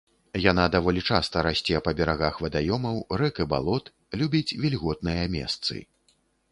Яна даволі часта расце па берагах вадаёмаў, рэк і балот, любіць вільготныя месцы.